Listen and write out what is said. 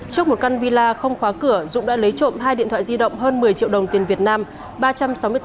trước một căn villa không khóa cửa dũng đã lấy trộm hai điện thoại di động hơn một mươi triệu đồng tiền việt nam